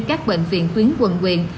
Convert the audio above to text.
các bệnh viện tuyến quần quyền